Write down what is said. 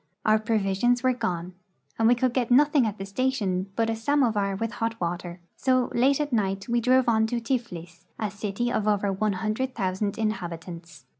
Our provisions were gone, and we could get nothing at the station but a samovar with hot water ; so, late at night, we drove on to Tiflis, a city of over one hundred thousand inhabitants.